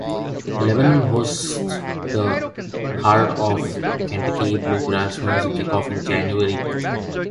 Lebanon hosts the Heart Of Kentucky Bluegrass Music Kickoff in January.